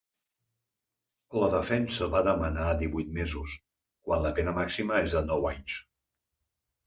La defensa va demanar divuit mesos, quan la pena màxima és de nou anys.